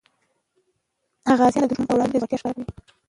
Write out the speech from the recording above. غازیان د دښمن په وړاندې زړورتیا ښکاره کوي.